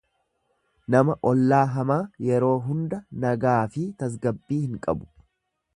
Nama ollaa hamaa yeroo hunda nagaafii tasgabbii hin qabu.